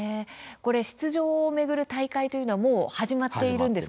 出場を巡る大会というのはもう始まっているんですか？